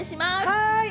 はい！